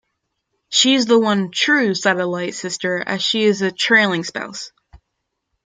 She is the one "true" satellite sister as she is a "trailing spouse".